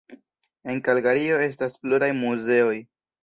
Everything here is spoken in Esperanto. En Kalgario estas pluraj muzeoj.